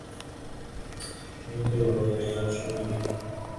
আমাকে বলতে দেবার সময় দিলে না যে, ওকে ডাকি নি, অমূল্যকে ডেকেছি।